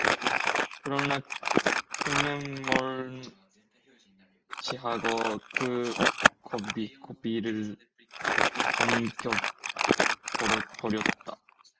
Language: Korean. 그러나 그는 모른 체하고 그 고비를 넘겨 버렸다.